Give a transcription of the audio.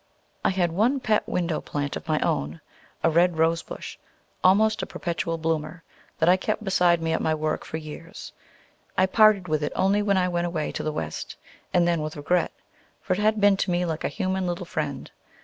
I had one pet window plant of my own, a red rosebush, almost a perpetual bloomer, that I kept beside me at my work for years. I parted with it only when I went away to the West, and then with regret, for it had been to me like a human little friend.